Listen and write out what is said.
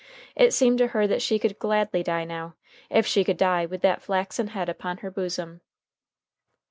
It seemed to her that she could gladly die now, if she could die with that flaxen head upon her bosom.